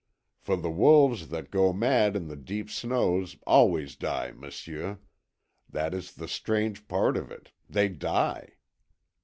For the wolves that go mad in the deep snows always die, m'sieu. That is the strange part of it. THEY DIE!"